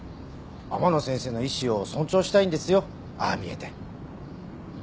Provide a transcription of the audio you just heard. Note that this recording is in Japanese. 天野先生の意思を尊重したいんですよああ見えて。